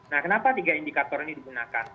nah kenapa tiga indikator ini digunakan